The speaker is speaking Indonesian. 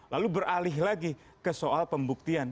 lalu beralih lagi ke soal pembuktian